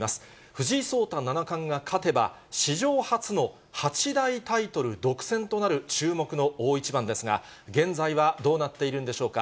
藤井聡太七冠が勝てば、史上初の八大タイトル独占となる注目の大一番ですが、現在はどうなっているんでしょうか。